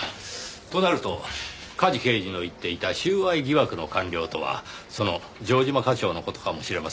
となると梶刑事の言っていた収賄疑惑の官僚とはその城島課長の事かもしれませんねぇ。